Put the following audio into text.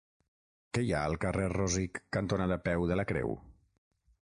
Què hi ha al carrer Rosic cantonada Peu de la Creu?